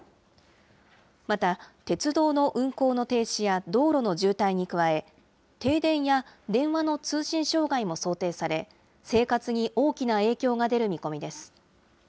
また、鉄道の運行の停止や道路の渋滞に加え、停電や電話の通信障害も想定され、生活に大きな影響が出る見込みです。